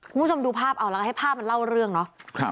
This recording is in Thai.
คุณผู้ชมดูภาพเอาแล้วก็ให้ภาพมันเล่าเรื่องเนาะ